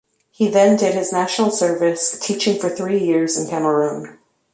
He then did his national service, teaching for three years in Cameroon.